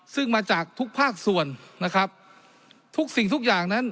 ซึ่งมาจากทุกภาคส่วนนะครับทุกสิ่งทุกอย่างนั้น